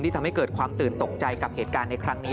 ทำให้เกิดความตื่นตกใจกับเหตุการณ์ในครั้งนี้